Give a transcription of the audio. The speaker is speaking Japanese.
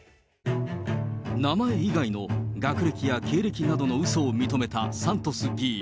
名前以外の学歴や経歴などのうそを認めたサントス議員。